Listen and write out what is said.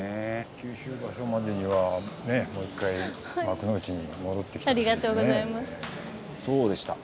九州場所までにはもう１回幕内に戻ってきてもらってね。